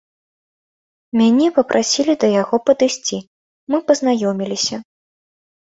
Мяне папрасілі да яго падысці, мы пазнаёміліся.